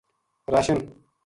راشن